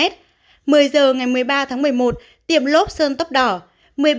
một mươi h ngày một mươi ba tháng một mươi một tiệm lốp sơn tóc đỏ